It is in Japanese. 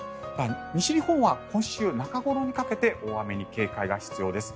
西日本は今週中ごろにかけて大雨に警戒が必要です。